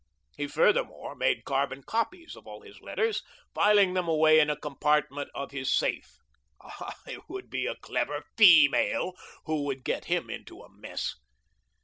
He furthermore made carbon copies of all his letters, filing them away in a compartment of his safe. Ah, it would be a clever feemale who would get him into a mess.